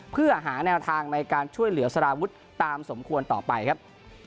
เพื่อหาแนวทางในการช่วยเหลือสารวุฒิตามสมควรต่อไปครับ